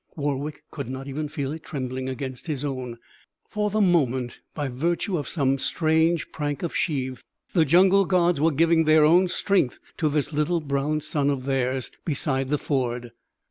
Warwick could not even feel it trembling against his own. For the moment, by virtue of some strange prank of Shiv, the jungle gods were giving their own strength to this little brown son of theirs beside the ford.